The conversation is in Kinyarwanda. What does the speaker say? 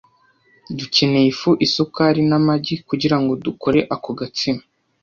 Dukeneye ifu, isukari n'amagi kugirango dukore ako gatsima.